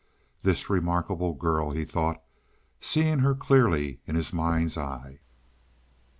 "This remarkable girl," he thought, seeing her clearly in his mind's eye.